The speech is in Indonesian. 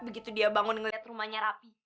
begitu dia bangun ngeliat rumahnya rapi